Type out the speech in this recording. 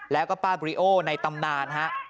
แล้วก็ป้าบริโอในตำนานฮะ